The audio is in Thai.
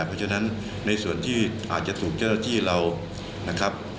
เพราะฉะนั้นในส่วนที่อาจจะถูกเจ้าหน้าที่เรานะครับ